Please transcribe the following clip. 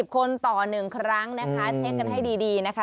คนต่อ๑ครั้งนะคะเช็คกันให้ดีนะคะ